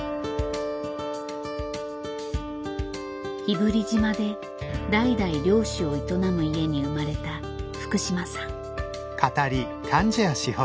日振島で代々漁師を営む家に生まれた福島さん。